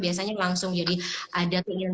biasanya langsung jadi ada keinginan